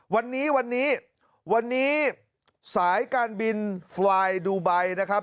วันนี้วันนี้วันนี้สายการบินไฟล์ดูไบนะครับ